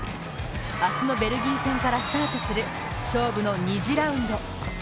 明日のベルギー戦からスタートする勝負の２次ラウンド。